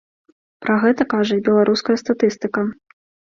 Пра гэта кажа і беларуская статыстыка.